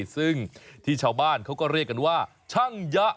ซึ่งที่ชาวบ้านเขาก็เรียกกันว่าช่างยะ